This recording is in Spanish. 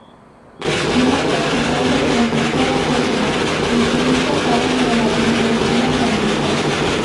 Muerto su padre regresó a Córdoba y se hizo cargo de la tintorería familiar.